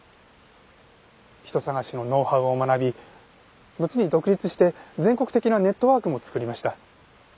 人捜しのノウハウを学びのちに独立して全国的なネットワークも作りました。